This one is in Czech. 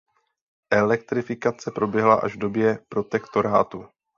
Elektrifikace proběhla až v době Protektorátu.